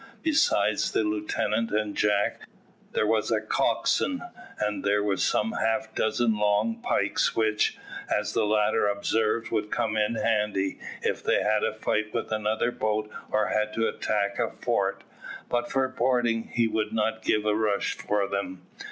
Besides the lieutenant and Jack, there was the coxswain, and there were some half dozen long pikes which, as the latter observed, would come in handy, if they had a fight with another boat or had to attack a fort, but for boarding he would not give a rush for them.